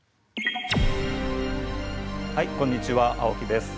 はいこんにちは青木です。